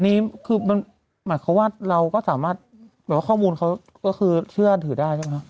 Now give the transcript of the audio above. นี่คือหมายความว่าเราก็สามารถข้อมูลเขาก็คือเชื่อถือได้ใช่ไหมครับ